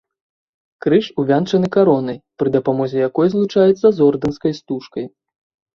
Крыж увянчаны каронай, пры дапамозе якой злучаецца з ордэнскай стужкай.